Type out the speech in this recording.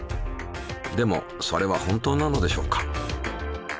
でもそれは本当なのでしょうか。